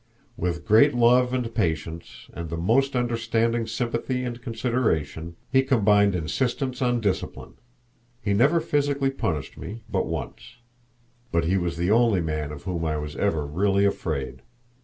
With great love and patience, and the most understanding sympathy and consideration, he combined insistence on discipline. He never physically punished me but once, but he was the only man of whom I was ever really afraid.